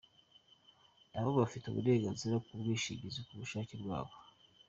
Na bo bafite uburenganzira ku bwishingizi ku bushake bwabo.